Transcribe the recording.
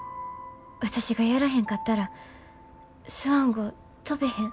私がやらへんかったらスワン号飛ベへん。